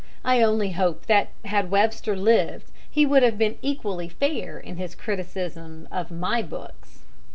I only hope that had Mr. Webster lived he would have been equally fair in his criticism of my books.